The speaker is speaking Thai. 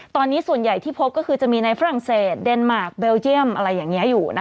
ตอนนี้ส่วนใหญ่ที่พบก็คือจะมีในฝรั่งเศสเดนมาร์คเบลเยี่ยมอะไรอย่างนี้อยู่